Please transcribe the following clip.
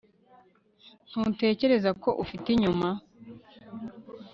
ntutekereza ko ufite inyuma